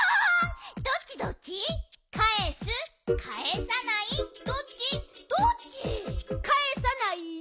かえさない？